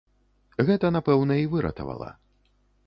Гэта, напэўна, і выратавала.